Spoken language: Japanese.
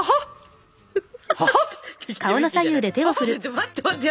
ちょっと待って待って。